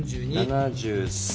７３。